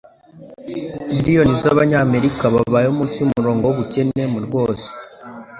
Miliyoni z'Abanyamerika babayeho munsi y'umurongo w'ubukene mu rwose